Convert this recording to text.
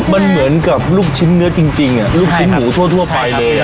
มันเหมือนกับลูกชิ้นเนื้อจริงจริงอ่ะใช่ค่ะลูกชิ้นหมูทั่วทั่วไปเลยอ่ะ